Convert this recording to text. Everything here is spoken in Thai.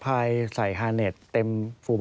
สวัสดีค่ะที่จอมฝันครับ